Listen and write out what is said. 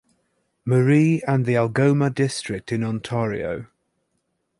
Marie and the Algoma District in Ontario.